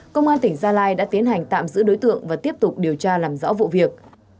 công an tỉnh gia lai đã tiến hành tạm giữ đối tượng và tiếp tục điều tra làm rõ vụ việc